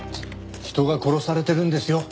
人が殺されてるんですよ。